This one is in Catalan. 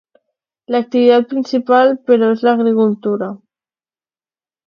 L'activitat principal però és l'agricultura.